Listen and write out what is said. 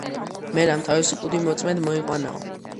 მელამ თავისი კუდი მოწმედ მოიყვანაო.